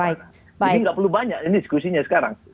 ini nggak perlu banyak diskusinya sekarang